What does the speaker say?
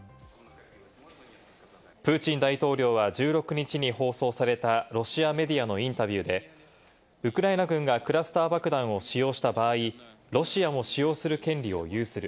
プーチン大統領は１６日に放送されたロシアメディアのインタビューで、ウクライナ軍がクラスター爆弾を使用した場合、ロシアも使用する権利を有する。